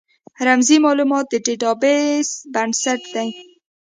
رمزي مالومات د ډیټا بیس بنسټ دی.